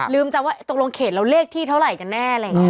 ลืมจำว่าตกลงเขตเราเลขที่เท่าไหร่กันแน่